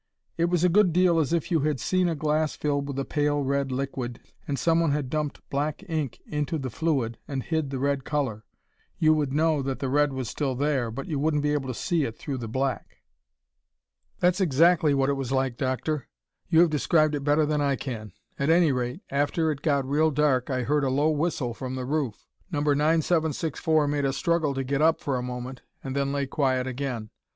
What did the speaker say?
"It was a good deal as if you had seen a glass filled with a pale red liquid and someone had dumped black ink into the fluid and hid the red color. You would know that the red was still there, but you wouldn't be able to see it through the black." "That's exactly what it was like, Doctor; you have described it better than I can. At any rate, after it got real dark I heard a low whistle from the roof. No. 9764 made a struggle to get up for a moment and then lay quiet again.